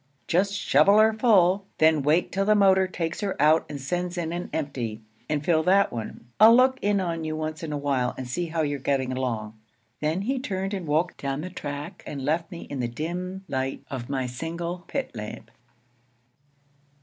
'Just shovel 'er full, then wait till the motor takes her out and sends in an empty, and fill that one. I'll look in on you once in a while and see how you're getting along.' Then he turned and walked down the track and left me in the dim light of my single pit lamp.